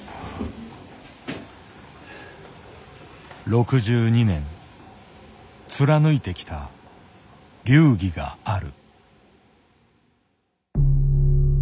６２年貫いてきた流儀がある。